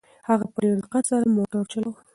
هغه په ډېر دقت سره موټر چلاوه.